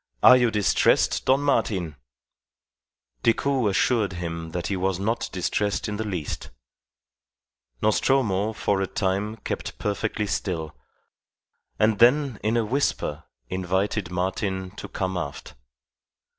Are you distressed, Don Martin?" Decoud assured him that he was not distressed in the least. Nostromo for a time kept perfectly still, and then in a whisper invited Martin to come aft.